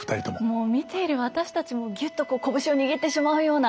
もう見ている私たちもぎゅっと拳を握ってしまうような。